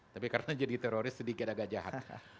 tapi karena jadi teroris sedikit agak jahat